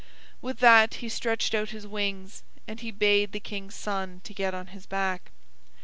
With that he stretched out his wings, and he bade the King's son to get on his back.